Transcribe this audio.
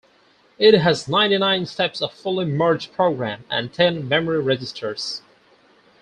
It has ninety-nine steps of fully merged program and ten memory registers.